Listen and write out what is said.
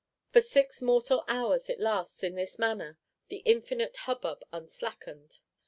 For six mortal hours it lasts, in this manner; the infinite hubbub unslackened.